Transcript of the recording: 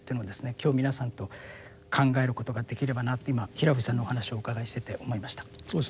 今日皆さんと考えることができればなと今平藤さんのお話をお伺いしてて思いました。